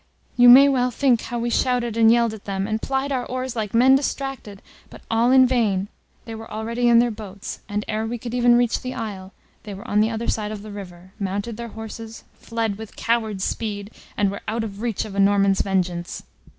You may well think how we shouted and yelled at them, and plied our oars like men distracted, but all in vain, they were already in their boats, and ere we could even reach the isle, they were on the other side of the river, mounted their horses, fled with coward speed, and were out of reach of a Norman's vengeance."